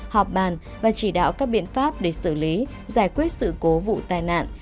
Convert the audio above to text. họp bàn và chỉ đạo các biện pháp để xử lý giải quyết sự cố vụ tai nạn